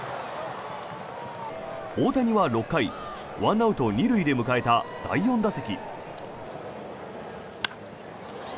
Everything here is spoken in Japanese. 大谷は６回１アウト２塁で迎えた第４打席。